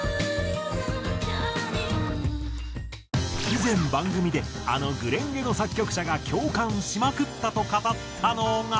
以前番組であの『紅蓮華』の作曲者が共感しまくったと語ったのが。